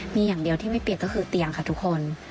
มีอย่างเดียวที่ไม่เปลี่ยนก็คือเตียงค่ะทุกคน